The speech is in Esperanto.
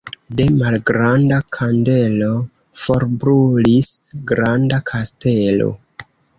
De malgranda kandelo forbrulis granda kastelo.